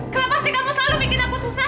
kenapa sih kamu selalu bikin aku susah